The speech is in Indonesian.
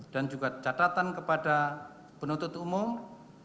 dan juga catatan kepada penuntut umum